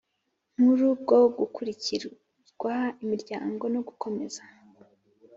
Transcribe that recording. Nkuru bwo gukingurirwa imiryango no gukomeza